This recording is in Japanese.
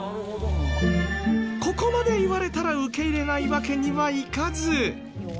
ここまで言われたら受け入れないわけにはいかず。